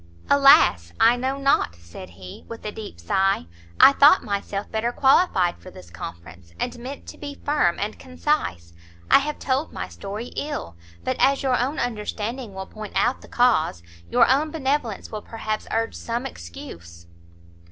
"Alas, I know not!" said he, with a deep sigh, "I thought myself better qualified for this conference, and meant to be firm and concise. I have told my story ill, but as your own understanding will point out the cause, your own benevolence will perhaps urge some excuse.